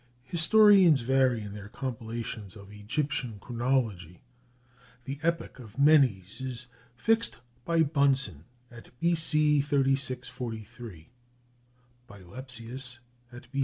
Historians vary in their compilations of Egyptian chronology. The epoch of Menes is fixed by Bunsen at B.C. 3643, by Lepsius at B.